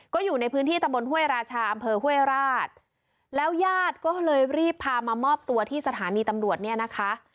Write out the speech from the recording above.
ก็อยู่ในพื้นที่ตำบลห้วยราชาอำเภอห้วยราชแล้วญาติก็เลยรีบพามามอบตัวที่สถานีตำรวจเนี่ยนะคะ